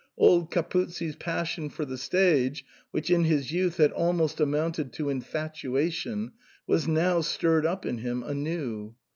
Old Capuzzi's passion for the stage, which in his youth had almost amounted to infatuation, was now stirred up in him anew.